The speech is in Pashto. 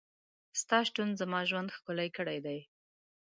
ستا شتون زما ژوند ښکلی کړی دی.